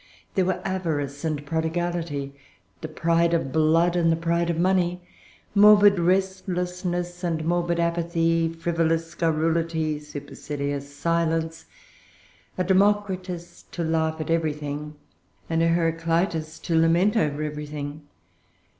There were avarice and prodigality, the pride of blood and the pride of money, morbid restlessness and morbid apathy, frivolous garrulity, supercilious silence, a Democritus to laugh at everything, and a Heraclitus to lament over everything.